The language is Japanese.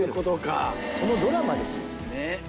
そのドラマですよ。